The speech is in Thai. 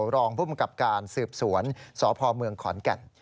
รองผู้บังกับการสืบสวนสพเมืองขอนแก่น